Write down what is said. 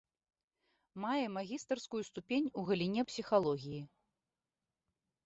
Мае магістарскую ступень у галіне псіхалогіі.